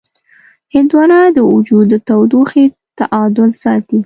هندوانه د وجود د تودوخې تعادل ساتي.